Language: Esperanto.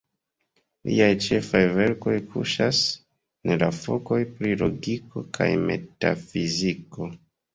Liaj ĉefaj verkoj kuŝas en la fakoj pri logiko kaj metafiziko.